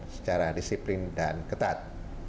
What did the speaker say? secara disiplin dan ketat